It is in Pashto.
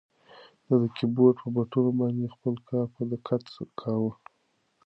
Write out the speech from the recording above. ده د کیبورډ په بټنو باندې خپل کار په دقت کاوه.